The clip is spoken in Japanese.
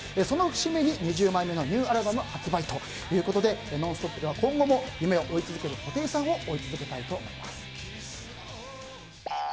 その節目に２０枚目のニューアルバム発売ということで「ノンストップ！」では今後も夢を追い続ける布袋さんを